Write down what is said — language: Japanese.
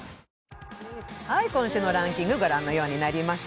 今週のランキングご覧のようになりました。